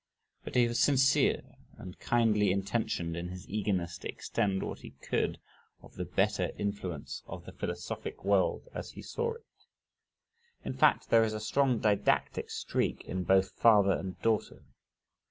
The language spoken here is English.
But he was sincere and kindly intentioned in his eagerness to extend what he could of the better influence of the philosophic world as he saw it. In fact, there is a strong didactic streak in both father and daughter.